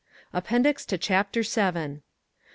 APPENDIX TO CHAPTER VII 1.